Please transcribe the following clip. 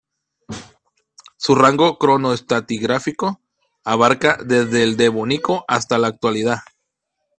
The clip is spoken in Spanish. Su rango cronoestratigráfico abarca desde el Devónico hasta la Actualidad.